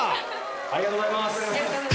・ありがとうございます！